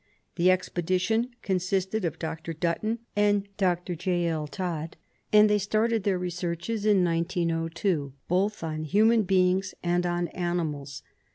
The expedition consisted of Dr. Dutton and Dr. J. L. Todd, and they started their researches in 1902 both on human beings and on animals.